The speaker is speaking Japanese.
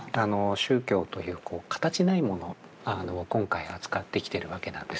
宗教という形ないものを今回扱ってきてるわけなんですけど。